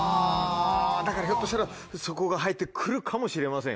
だからひょっとしたらそこが入って来るかもしれませんよね。